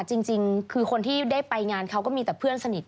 จริงคือคนที่ได้ไปงานเขาก็มีแต่เพื่อนสนิท